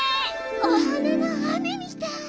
お花があめみたい。